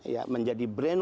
ya menjadi brainwashed